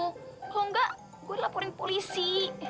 kalau enggak gue laporin polisi